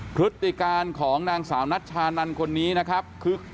พฤศติกาลของนางสาวนัตรชานันต์คนนี้คือ